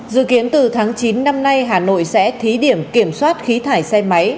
dự kiến từ tháng chín năm nay hà nội sẽ thí điểm kiểm soát khí thải xe máy